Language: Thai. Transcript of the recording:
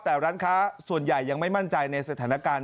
แต่ร้านค้าส่วนใหญ่ยังไม่มั่นใจในสถานการณ์